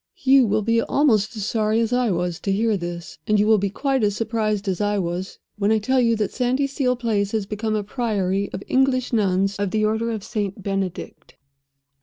"You will be almost as sorry as I was to hear this; and you will be quite as surprised as I was, when I tell you that Sandyseal Place has become a Priory of English Nuns, of the order of St. Benedict.